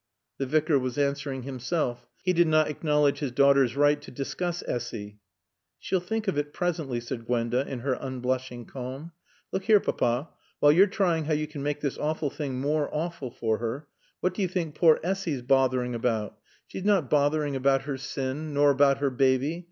The Vicar was answering himself. He did not acknowledge his daughter's right to discuss Essy. "She'll think of it presently," said Gwenda in her unblushing calm. "Look here, Papa, while you're trying how you can make this awful thing more awful for her, what do you think poor Essy's bothering about? She's not bothering about her sin, nor about her baby.